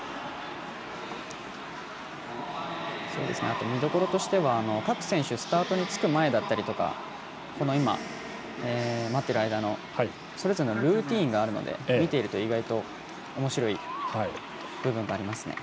あと、見どころとしては各選手スタートにつく前だったりとか待っている間のそれぞれのルーティンがあるので見ていると、意外とおもしろい部分がありますね。